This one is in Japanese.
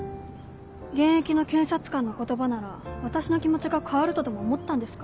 現役の検察官の言葉なら私の気持ちが変わるとでも思ったんですか。